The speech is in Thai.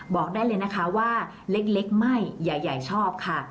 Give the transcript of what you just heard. บอกได้เลยนะคะว่าเล็กไม่ใหญ่ชอบค่ะ